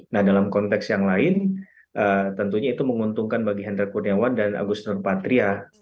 nah dalam konteks yang lain tentunya itu menguntungkan bagi hendra kurniawan dan agus nurpatria